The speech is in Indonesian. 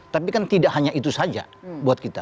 tapi kan tidak hanya itu saja